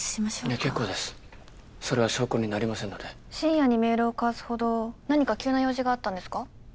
結構ですそれは証拠になりませんので深夜にメールを交わすほど何か急な用事があったんですか？